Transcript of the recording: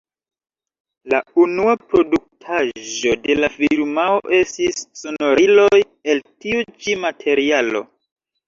La unua produktaĵo de la firmao estis sonoriloj el tiu ĉi materialo.